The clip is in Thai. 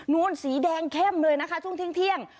สีแดงเข้มเลยนะคะช่วงเที่ยง